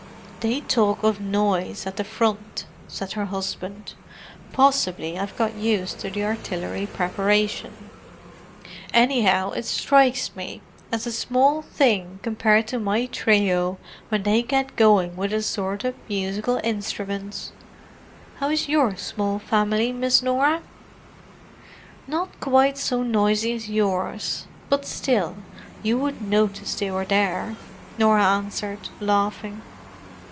"They talk of noise at the Front!" said her husband. "Possibly I've got used to artillery preparation; anyhow, it strikes me as a small thing compared to my trio when they get going with assorted musical instruments. How is your small family, Miss Norah?" "Not quite so noisy as yours—but still, you would notice they were there!" Norah answered, laughing.